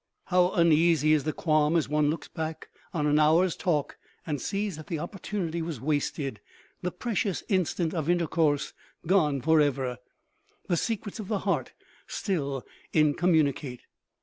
How uneasy is the qualm as one looks back on an hour's talk and sees that the opportunity was wasted; the precious instant of intercourse gone forever: the secrets of the heart still incommunicate!